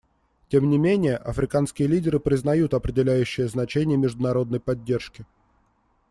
Тем не менее, африканские лидеры признают определяющее значение международной поддержки.